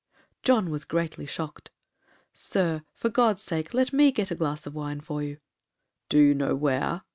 John was greatly shocked. 'Sir, for God's sake, let me get a glass of wine for you.' 'Do you know where?'